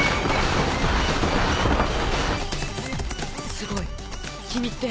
すごい君って。